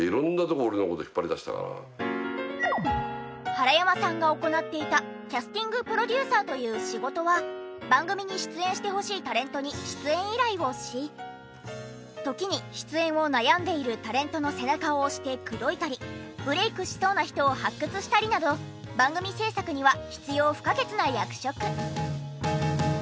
原山さんが行っていたキャスティングプロデューサーという仕事は番組に出演してほしいタレントに出演依頼をし時に出演を悩んでいるタレントの背中を押して口説いたりブレイクしそうな人を発掘したりなど番組制作には必要不可欠な役職。